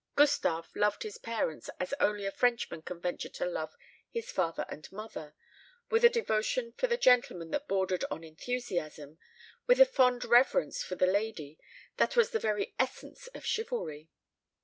Gustave loved his parents as only a Frenchman can venture to love his father and mother with a devotion for the gentleman that bordered on enthusiasm, with a fond reverence for the lady that was the very essence of chivalry.